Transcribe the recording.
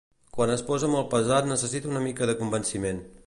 Quan es posa molt pesat necessita una mica de convenciment.